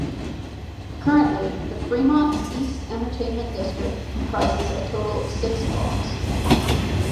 Currently, the Fremont East Entertainment District comprises a total of six blocks.